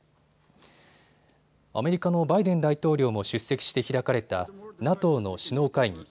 アメリカのバイデン大統領も出席して開かれたＮＡＴＯの首脳会議。